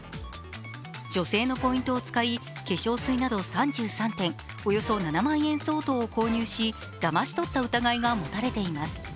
女性のポイントを使い、化粧水など３３点、およそ７万円相当を購入しだまし取った疑いが持たれています。